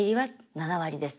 「７割です」。